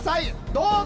どうぞ！